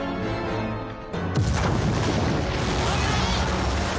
危ない！